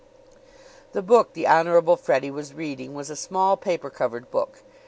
The book the Honorable Freddie was reading was a small paper covered book.